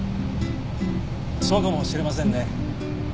そうかもしれませんね。